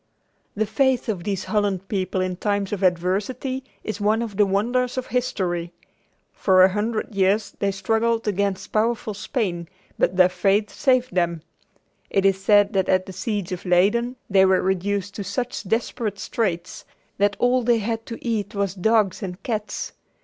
The faith of these Holland people in times of adversity is one of the wonders of history. For a hundred years they struggled against powerful Spain, but their faith saved them. It is said that at the siege of Leyden they were reduced to such desperate straits that all they had to eat was dogs and cats.